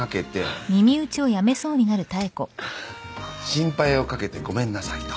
「心配をかけてごめんなさい」と。